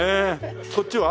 こっちは？